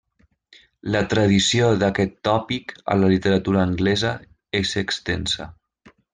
La tradició d’aquest tòpic a la literatura anglesa és extensa.